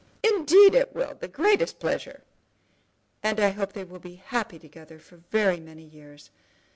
"Indeed it will; the greatest pleasure." "And I hope they will be happy together for very many years.